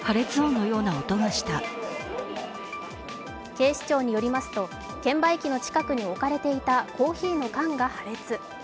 警視庁によりますと券売機の近くに置かれていたコーヒーの缶が破裂。